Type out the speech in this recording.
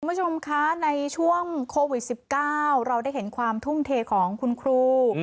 คุณผู้ชมคะในช่วงโควิด๑๙เราได้เห็นความทุ่มเทของคุณครู